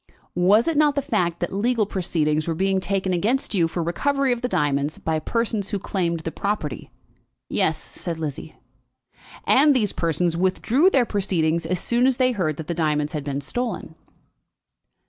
Was it not the fact that legal proceedings were being taken against you for recovery of the diamonds by persons who claimed the property?" "Yes," said Lizzie. "And these persons withdrew their proceedings as soon as they heard that the diamonds had been stolen?"